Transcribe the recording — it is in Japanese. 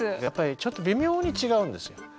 やっぱりちょっと微妙に違うんですよ。